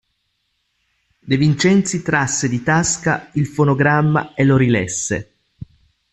De Vincenzi trasse di tasca il fonogramma e lo rilesse.